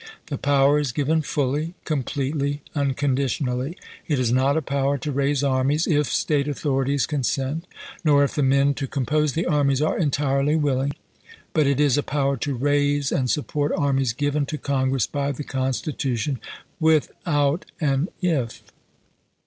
The power is given fully, completely, unconditionally. It is not a power to raise armies if State authorities con sent; nor if the men to compose the armies are entirely willing ; but it is a power to raise and sup port armies given to Congress by the Constitution, without an if.